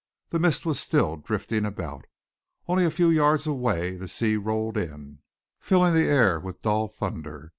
The mist was still drifting about. Only a few yards away the sea rolled in, filling the air with dull thunder.